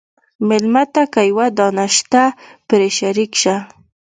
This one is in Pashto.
مېلمه ته که یوه دانه شته، پرې شریک شه.